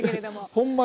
ほんまに。